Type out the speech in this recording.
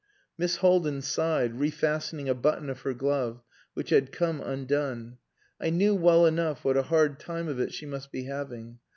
Miss Haldin sighed, refastening a button of her glove which had come undone. I knew well enough what a hard time of it she must be having.